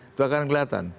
itu akan kelihatan